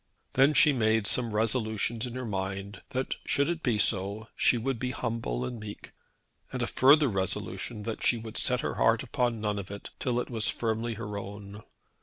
Then she made some resolutions in her mind that should it be so she would be humble and meek; and a further resolution that she would set her heart upon none of it till it was firmly her own.